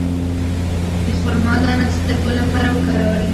د خرما دانه د سترګو لپاره وکاروئ